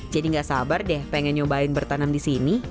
jadi tidak sabar deh ingin mencoba bertanam di sini